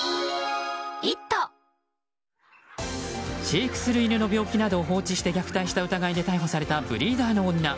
飼育する犬の病気などを放置して虐待した疑いで逮捕されたブリーダーの女。